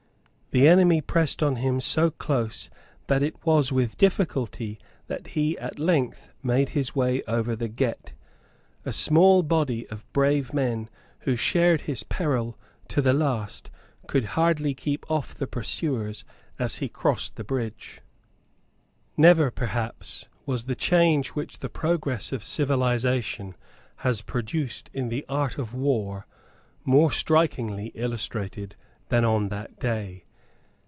The enemy pressed on him so close that it was with difficulty that he at length made his way over the Gette. A small body of brave men, who shared his peril to the last, could hardly keep off the pursuers as he crossed the bridge. Never, perhaps, was the change which the progress of civilisation has produced in the art of war more strikingly illustrated than on that day.